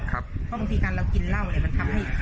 เพราะบางทีการเรากินเหล้าเนี่ยมันทำให้